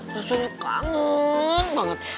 rasanya kangen banget